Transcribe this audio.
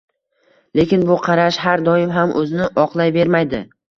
Lekin bu qarash har doim ham o‘zini oqlayvermaydi.